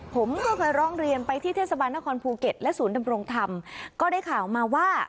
ผมก็ไปร้องเรียนไปที่เทศบาลนครภูเก็ตและศูนย์ดำรงธรรมก็ได้ข่าวมาว่า